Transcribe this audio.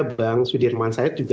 bang sudirman said